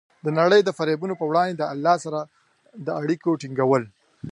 د نړۍ د فریبونو په وړاندې د الله سره د اړیکو ټینګول.